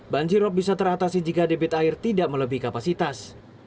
banjirop bisa teratasi jika debit air tidak melebihi kapasitas